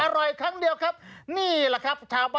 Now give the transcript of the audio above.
อร่อยครั้งเดียวครับ